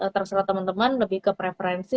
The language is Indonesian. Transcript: terserah teman teman lebih ke preferensi